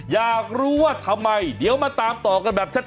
อยากรู้ว่าทำไมเดี๋ยวมาตามต่อกันแบบชัด